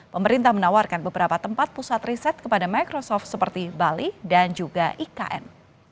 pemerintah menawarkan beberapa tempat pusat riset kepada microsoft seperti bali dan juga ikn